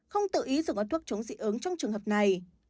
không tự ý dùng các thuốc chống dị ứng trong trường hợp này